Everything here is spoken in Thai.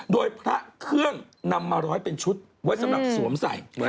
โดยพระเครื่องนำมาร้อยเป็นชุดไว้สำหรับสวมใส่